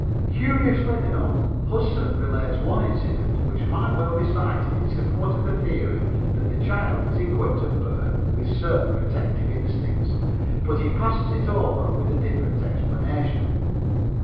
Curiously enough, Hudson relates one incident which might well be cited in support of the theory that the child is equipped at birth with certain protective instincts, but he passes it over with a different explanation.